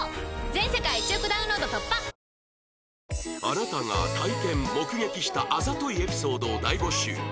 あなたが体験目撃したあざといエピソードを大募集